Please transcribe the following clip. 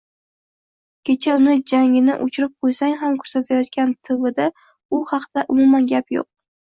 Kecha uni jangini oʻchirib qoʻysang ham koʻrsatayotgan tvda u haqida umuman gap yoʻq.